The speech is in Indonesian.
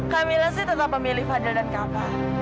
kamila sih tetap memilih fadhil dan kava